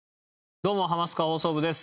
どうも『ハマスカ放送部』です。